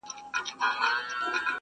رسنۍ د حقیقت خپرولو وسیله ده